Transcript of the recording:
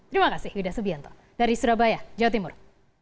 terima kasih yuda subianto dari surabaya jawa timur